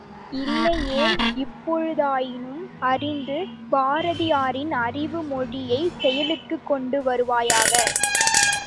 இல்லையேல், இப்பொழுதாயினும் அறிந்து, பாரதியாரின் அறிவு மொழியைச் செயலுக்குக் கொண்டு வருவாயாக.